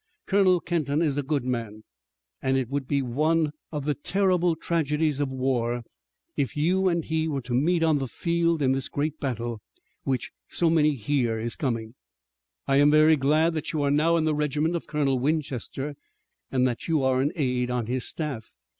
Colonel Kenton is a good man, and it would be one of the terrible tragedies of war if you and he were to meet on the field in this great battle, which so many hear is coming. "I am very glad that you are now in the regiment of Colonel Winchester, and that you are an aide on his staff.